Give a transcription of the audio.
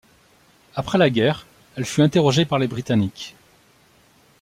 Après la guerre, elle fut interrogée par les Britanniques.